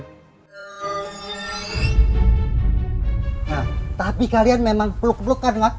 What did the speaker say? nah tapi kalian memang peluk pelukan waktu